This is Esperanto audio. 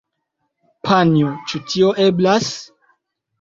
Panjo, ĉu tio eblas?